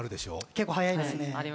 結構速いですね。